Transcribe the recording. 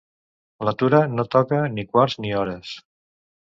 La Tura no toca ni quarts ni hores.